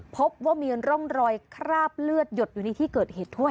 พบว่ามีร่องรอยคราบเลือดหยดอยู่ในที่เกิดเหตุด้วย